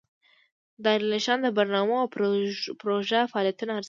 دارالانشا د برنامو او پروژو فعالیتونه ارزوي.